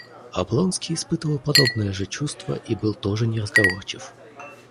Облонский испытывал подобное же чувство и был тоже неразговорчив.